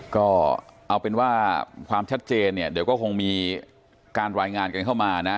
ก็เอาเป็นว่าความชัดเจนเนี่ยเดี๋ยวก็คงมีการรายงานกันเข้ามานะ